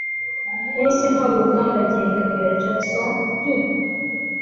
nahise mpaguruka ndagenda mbwira Jackson nti